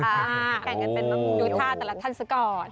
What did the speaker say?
แบ่งกันเป็นดูท่าแต่ละท่านซะก่อน